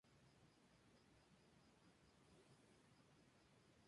Sucedió en el dominio condal a su abuelo paterno, Rodrigo de Melo.